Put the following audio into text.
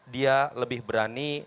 dia lebih berani